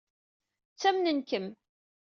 Ttamnen-kem.